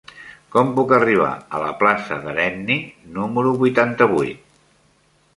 Com puc arribar a la plaça d'Herenni número vuitanta-vuit?